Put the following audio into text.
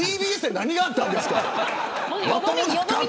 ＴＢＳで何があったんですか。